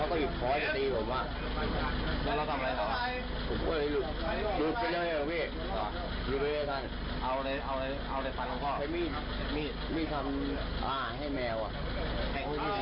มีคำอ้าวให้แมวแก่งไม่จำได้ตั้งแต่เม็ด